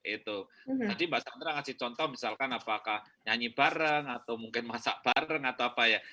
tadi mbak sandra ngasih contoh misalkan apakah nyanyi bareng atau mungkin masak bareng atau apa ya